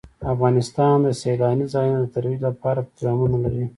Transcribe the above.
افغانستان د سیلاني ځایونو د ترویج لپاره پروګرامونه لري.